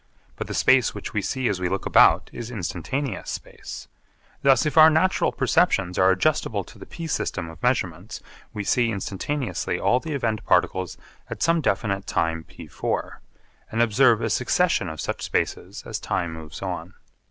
But the space which we see as we look about is instantaneous space. Thus if our natural perceptions are adjustable to the p system of measurements we see instantaneously all the event particles at some definite time p₄, and observe a succession of such spaces as time moves on.